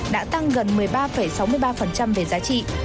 đã tăng gần một mươi ba sáu mươi ba về giá trị